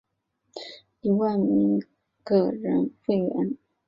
香港地球之友现有超过一万名个人会员。